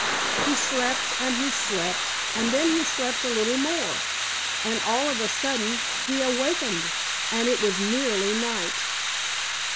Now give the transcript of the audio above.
He slept and he slept, and then he slept a little more, and all of a sudden he awakened and it was nearly night.